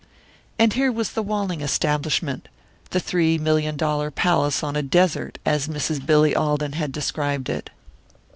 And here was the Walling establishment, the "three million dollar palace on a desert," as Mrs. Billy Alden had described it.